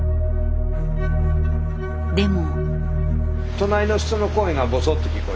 でも。